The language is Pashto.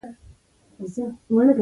ښه نیت لرونکی تل د خلکو خوښ وي.